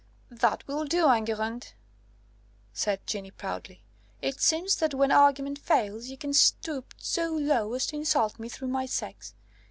"That will do, Enguerrand," said Jeanne proudly; "it seems that when argument fails, you can stoop so low as to insult me through my sex.